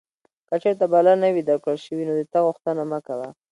که چیرته بلنه نه وې درکړل شوې نو د تګ غوښتنه مه کوه.